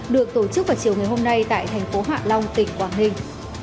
được tổ chức vào chiều ngày hôm nay tại thành phố hạ long tỉnh quảng ninh